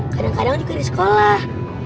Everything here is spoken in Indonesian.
kadang kadang juga di sekolah